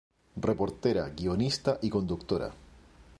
Reportera, guionista y conductora.